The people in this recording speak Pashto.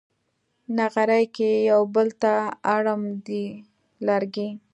نغري کې یو بل ته اړم دي لرګي